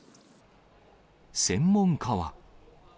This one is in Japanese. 専門家は。